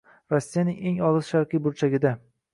Rossiyaning eng olis sharqiy burchagida